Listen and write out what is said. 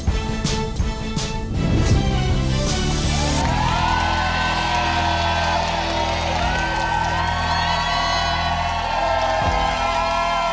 สวัสดีครับ